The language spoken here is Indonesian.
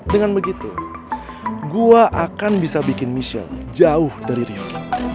dengan begitu gua akan bisa bikin michelle jauh dari rioki